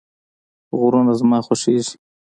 غرونه زما خوښیږي